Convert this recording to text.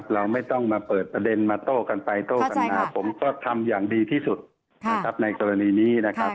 เราไม่ต้องมาเปิดประเด็นมาโต้กันไปโต้กันมาผมก็ทำอย่างดีที่สุดนะครับในกรณีนี้นะครับ